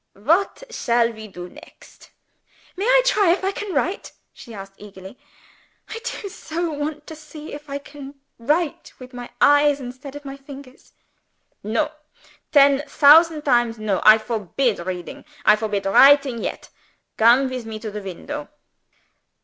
What shall we do next?" "May I try if I can write?" she asked eagerly. "I do so want to see if I can write with my eyes instead of my finger." "No! Ten thausand times no! I forbid reading; I forbid writing, yet. Come with me to the window.